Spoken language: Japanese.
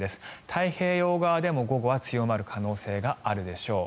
太平洋側でも午後は強まる可能性があるでしょう。